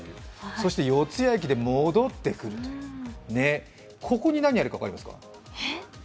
そして四ツ谷駅で戻って、ここに何あるか分かりますか？